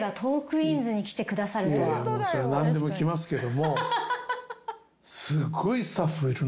何でも来ますけども。